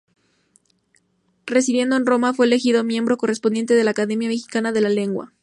Residiendo en Roma, fue elegido miembro correspondiente de la Academia Mexicana de la Lengua.